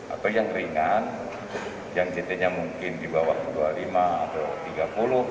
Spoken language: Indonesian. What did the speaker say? atau yang ringan yang ceteknya di bawah dua puluh lima atau tiga puluh